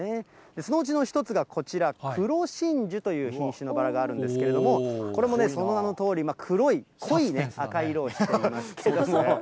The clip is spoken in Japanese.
そのうちの一つがこちら、黒真珠という品種のバラがあるんですけれども、これもその名のとおり、黒い濃い赤い色をしていますね。